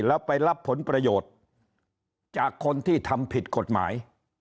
แล้วไปรับผลประโยชน์จากคนที่ทำผิดกฎหมาย